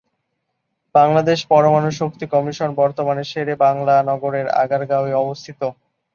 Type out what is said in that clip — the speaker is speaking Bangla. বাংলাদেশ পরমাণু শক্তি কমিশন বর্তমানে শেরেবাংলা নগরের আগারগাঁও-এ অবস্থিত।